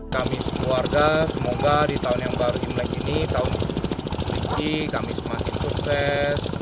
kami sebuah warga semoga di tahun yang baru ini tahun berikut kami semakin sukses